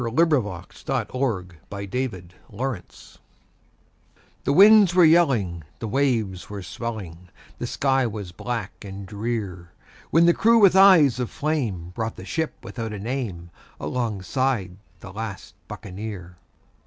Thomas Babbington Macaulay The Last Buccaneer THE winds were yelling, the waves were swelling, The sky was black and drear, When the crew with eyes of flame brought the ship without a name Alongside the last Buccaneer.